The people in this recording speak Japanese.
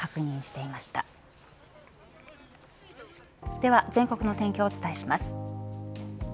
では全国の天気をお伝えします。